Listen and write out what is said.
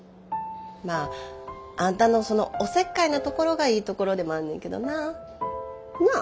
まああんたのそのおせっかいなところがいいところでもあんねんけどな。なあ？